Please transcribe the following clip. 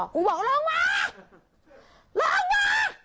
กูบอกลงมาลองมา